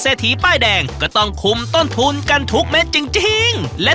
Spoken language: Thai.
ทีป้ายแดงก็ต้องคุมต้นทุนกันทุกเม็ดจริงและ